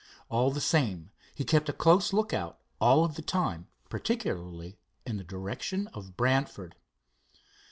All the same he kept a close lookout all of the time, particularly in the direction of Brantford.